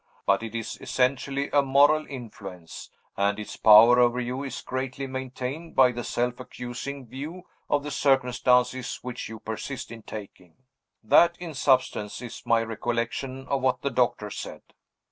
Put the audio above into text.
But it is essentially a moral influence; and its power over you is greatly maintained by the self accusing view of the circumstances which you persist in taking. That, in substance, is my recollection of what the doctor said."